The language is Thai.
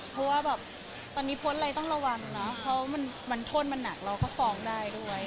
เพราะว่าแบบตอนนี้โพสต์อะไรต้องระวังเนอะเพราะมันโทษมันหนักเราก็ฟ้องได้ด้วย